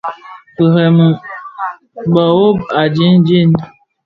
Firemi, bëbhog a jinjin.